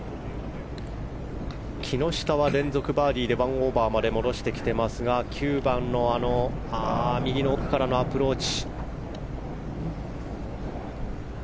木下は連続バーディーで１オーバーまで戻していますが９番の右の奥からのアプローチ。